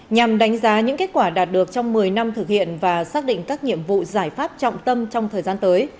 nhằm đánh giá những kết quả đạt được trong một mươi năm thực hiện và xác định các nhiệm vụ giải pháp trọng tâm trong thời gian tới